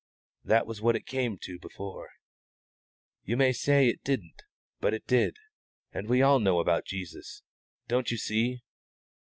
That was what it came to before. You may say it didn't, but it did. And all we know about Jesus don't you see."